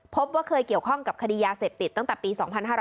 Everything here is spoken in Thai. พบว่าเคยเกี่ยวข้องกับคดียาเสพติดตั้งแต่ปี๒๕๕๙